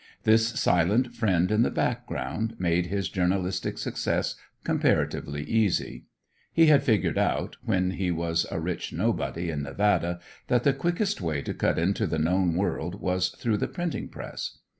This silent friend in the background made his journalistic success comparatively easy. He had figured out, when he was a rich nobody in Nevada, that the quickest way to cut into the known world was through the printing press.